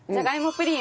プリン？